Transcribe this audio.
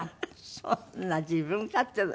そんな自分勝手な。